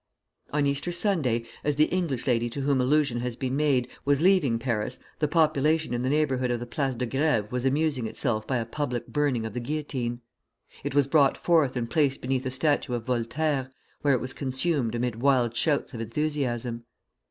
On Easter Sunday, as the English lady to whom allusion has been made, was leaving Paris, the population in the neighborhood of the Place de Grève was amusing itself by a public burning of the guillotine. It was brought forth and placed beneath a statue of Voltaire, where it was consumed amid wild shouts of enthusiasm.